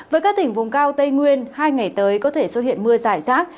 với các tỉnh vùng cao tây nguyên hai ngày tới có thể xuất hiện mưa rải rác